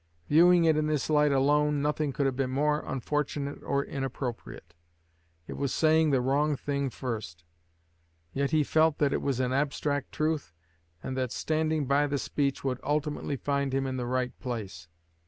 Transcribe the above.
Viewing it in this light alone, nothing could have been more unfortunate or inappropriate. It was saying the wrong thing first; yet he felt that it was an abstract truth, and that standing by the speech would ultimately find him in the right place.